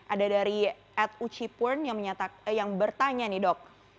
ada dari at uchi purn yang bertanya nih dok